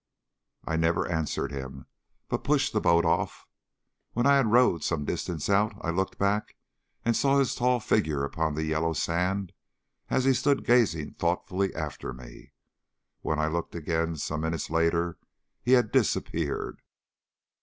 I never answered him, but pushed the boat off. When I had rowed some distance out I looked back and saw his tall figure upon the yellow sand as he stood gazing thoughtfully after me. When I looked again some minutes later he had disappeared.